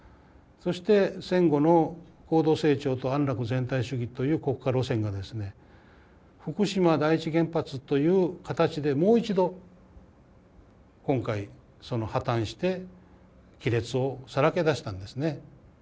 そして戦後の高度成長と安楽全体主義という国家路線がですね福島第一原発という形でもう一度今回破綻して亀裂をさらけ出したんですね。